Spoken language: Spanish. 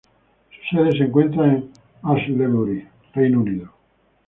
Su sede se encuentra en Aylesbury, Reino Unido.